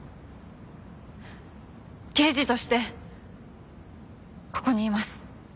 刑事としてここにいます。